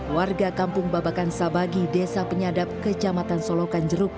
warga kampung babakan sabagi desa penyadap kecamatan solokan jeruk